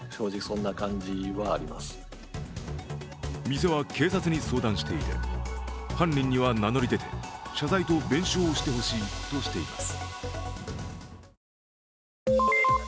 店は警察に相談していて、犯人には名乗り出て謝罪と弁償をしてほしいとしています。